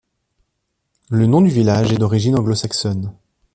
Le nom du village est d'origine anglo-saxonne.